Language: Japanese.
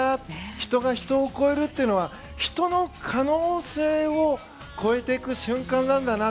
人が人を超えるというのは人の可能性を超えていく瞬間なんだな。